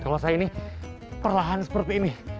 kalau saya ini perlahan seperti ini